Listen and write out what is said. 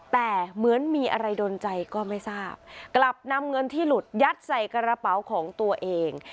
แต่เหมือนมีอะไรโดนใจก็ไม่ทราบกลับนำเงินที่หลุดยัดใส่กระเป๋าของตัวเอง